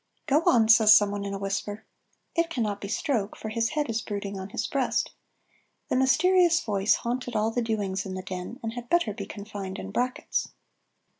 "Go on," says someone in a whisper. It cannot be Stroke, for his head is brooding on his breast. This mysterious voice haunted all the doings in the Den, and had better be confined in brackets.